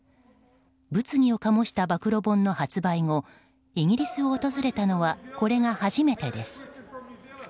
物議を醸した暴露本の発売後イギリスを訪れたのはこれが初めてです。